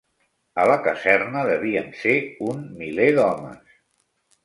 A la caserna devíem ser un miler d'homes